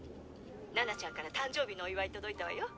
菜々ちゃんから誕生日のお祝い届いたわよ。